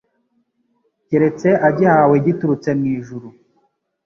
keretse agihawe giturutse mu ijuru,